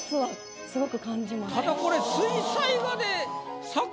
ただこれ。